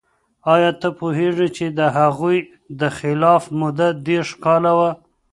آیا ته پوهیږې چې د هغوی د خلافت موده دیرش کاله وه؟